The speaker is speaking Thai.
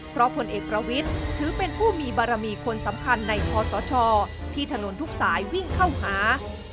เพราะผลเอกประวิทย์ถือเป็นผู้มีบารมีคนสำคัญในคอสชที่ถนนทุกสายวิ่งเข้าหา